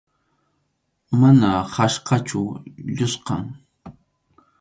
Mana qhachqachu, lluskʼam.